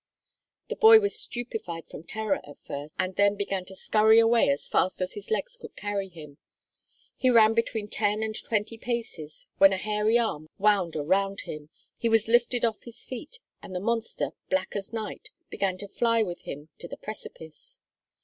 The boy was stupefied from terror at first and then began to scurry away as fast as his legs could carry him. He ran between ten and twenty paces when a hairy arm wound around him, he was lifted off his feet, and the monster, black as night, began to fly with him to the precipice.